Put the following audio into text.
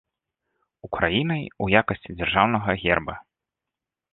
Украінай ў якасці дзяржаўнага герба.